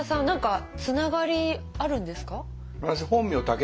何かつながりあるんですか？